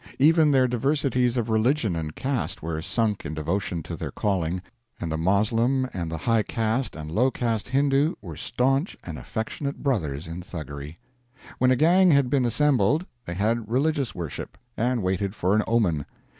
Even their diversities of religion and caste were sunk in devotion to their calling, and the Moslem and the high caste and low caste Hindoo were staunch and affectionate brothers in Thuggery. When a gang had been assembled, they had religious worship, and waited for an omen.